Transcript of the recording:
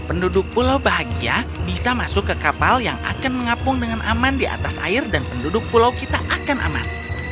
penduduk pulau bahagia bisa masuk ke kapal yang akan mengapung dengan aman di atas air dan penduduk pulau kita akan aman